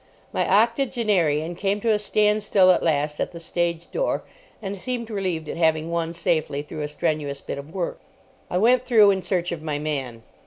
My octogenarian came to a standstill at last at the stage door, and seemed relieved at having won safely through a strenuous bit of work. I went through in search of my man.